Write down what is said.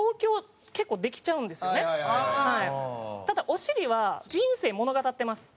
ただお尻は人生を物語ってます。